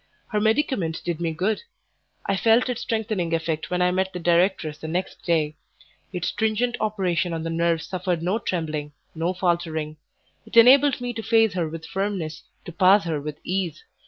Her medicament did me good. I felt its strengthening effect when I met the directress the next day; its stringent operation on the nerves suffered no trembling, no faltering; it enabled me to face her with firmness, to pass her with ease.